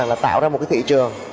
là tạo ra một cái thị trường